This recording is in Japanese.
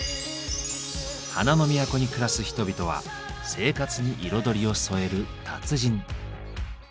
花の都に暮らす人々は生活に彩りを添える達人。